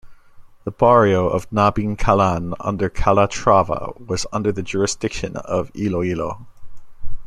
The barrio of Nabingkalan under Calatrava, was under the jurisdiction of Iloilo.